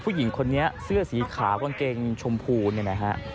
ผู้หญิงคนนี้เสื้อสีขาวกางเกงชมพูเนี่ยนะฮะ